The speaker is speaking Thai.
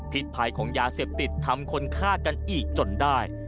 ภัยของยาเสพติดทำคนฆ่ากันอีกจนได้